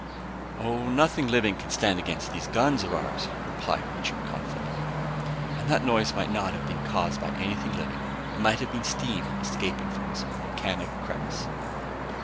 "Oh, nothing living can stand against these guns of ours," replied Wichter confidently. "And that noise might not have been caused by anything living. It might have been steam escaping from some volcanic crevice."